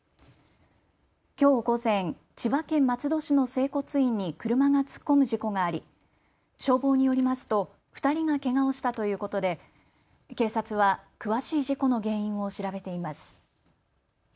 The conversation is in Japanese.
きょう午前、千葉県松戸市の整骨院に車が突っ込む事故があり消防によりますと２人がけがをしたということで警察は詳しい事故の原因を調べています。